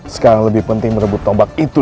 sekarang lebih penting merebut tombak itu